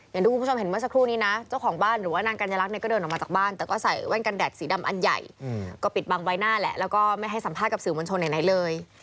อย่างที่คุณผู้ชมเห็นเมื่อสักครู่นี้นะเจ้าของบ้านหรือว่านางกัญลักษณ์เนี่ยก็เดินออกมาจากบ้านแต่ก็ใส่แว่นกันแดดสีดำอันใหญ่ก็ปิดบังใบหน้าแหละแล้วก็ไม่ให้สัมภาษณ์กับสื่อมวลชนไหนเลย